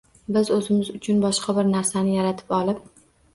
Biz o‘zimiz uchun boshqa bir narsani yaratib olib